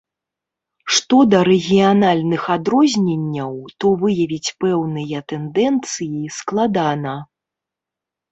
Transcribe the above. Што да рэгіянальных адрозненняў, то выявіць пэўныя тэндэнцыі складана.